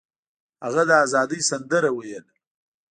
هغه د ازادۍ سندره ویله.